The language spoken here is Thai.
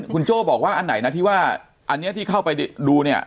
คุณโจ้บอกว่าอันไหนนะที่ว่าอันนี้ที่เข้าไปดูเนี่ย